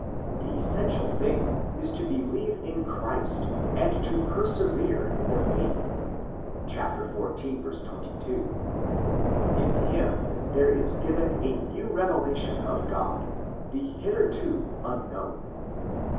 The essential thing is to believe in Christ and to persevere in " the faith"' (xiv. 22). In him there is given a new revelation of God, the hitherto unknown.